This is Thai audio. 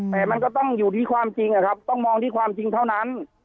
แต่มันก็ต้องอยู่ที่ความจริงอะครับต้องมองที่ความจริงเท่านั้น